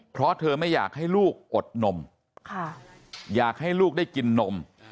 เพราะเธอไม่อยากให้ลูกอดนมอยากให้ลูกได้กินนม